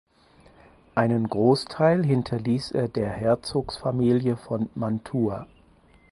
Einen Großteil hinterließ er der Herzogsfamilie von Mantua.